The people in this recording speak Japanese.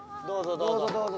どうぞどうぞ。